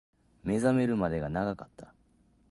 目覚めるまで長かった